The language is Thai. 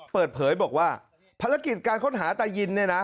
เปิดเผยบอกว่าภารกิจการค้นหาตายินเนี่ยนะ